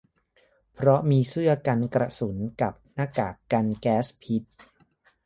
เพราะมีเสื้อกันกระสุนกับหน้ากากกันแก๊สพิษ